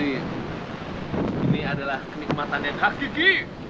ini adalah kenikmatan yang hakiki